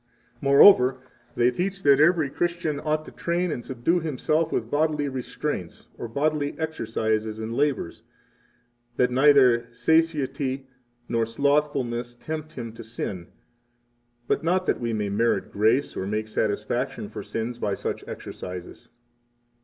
33 Moreover, they teach that every Christian ought to train and subdue himself with bodily restraints, or bodily exercises and labors that neither satiety nor slothfulness tempt him to sin, but not that we may merit grace or make satisfaction for sins by such exercises.